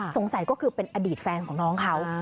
สงสัยก็คือเป็นอดีตแฟนของน้องเขา